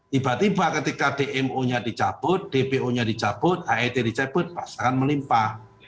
tiba tiba ketika dmo nya dicabut dpo nya dicabut het nya dicabut pasaran melimpah